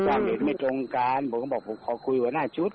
ความเห็นไม่ตรงกันผมก็บอกผมขอคุยหัวหน้าชุด